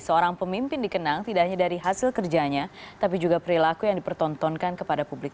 seorang pemimpin dikenang tidak hanya dari hasil kerjanya tapi juga perilaku yang dipertontonkan kepada publik